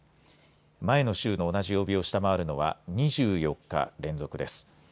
前の週の同じ曜日を下回るのは２４日連続です。